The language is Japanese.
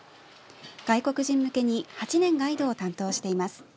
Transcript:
外国人向けに８年ガイドを担当しています。